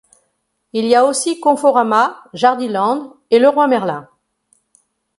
Il y a aussi Conforama, Jardiland et Leroy Merlin.